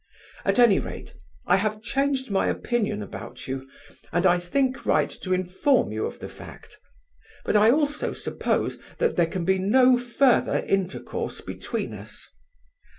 At any rate, I have changed my opinion about you, and I think right to inform you of the fact; but I also suppose that there can be no further intercourse between us.